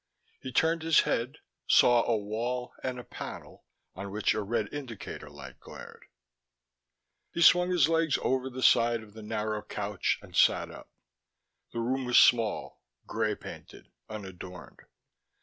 He turned his head, saw a wall and a panel on which a red indicator light glared. He swung his legs over the side of the narrow couch and sat up. The room was small, grey painted, unadorned.